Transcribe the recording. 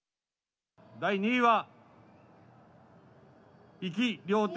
第２位は。